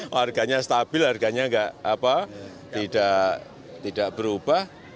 harganya stabil harganya tidak berubah